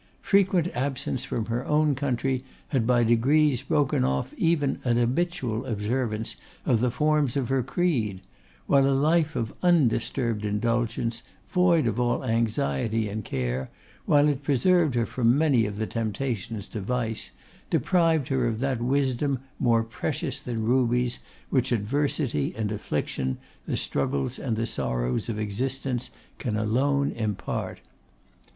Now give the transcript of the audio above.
Frequent absence from her own country had by degrees broken off even an habitual observance of the forms of her creed; while a life of undisturbed indulgence, void of all anxiety and care, while it preserved her from many of the temptations to vice, deprived her of that wisdom 'more precious than rubies,' which adversity and affliction, the struggles and the sorrows of existence, can alone impart.